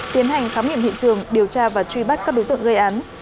tiến hành khám nghiệm hiện trường điều tra và truy bắt các đối tượng gây án